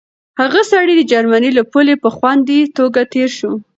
هغه سړی د جرمني له پولې په خوندي توګه تېر شو.